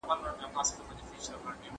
صدقه د بې وزلو لپاره برکت دی.